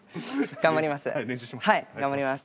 頑張ります